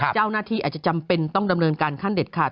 เจ้าหน้าที่อาจจะจำเป็นต้องดำเนินการขั้นเด็ดขาด